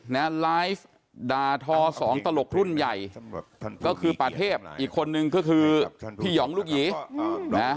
ไลฟ์ด่าทอสองตลกรุ่นใหญ่ก็คือปาเทพอีกคนนึงก็คือพี่หองลูกหยีนะ